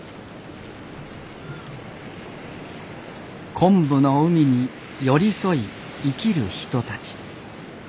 昆布の海に寄り添い生きる人たち。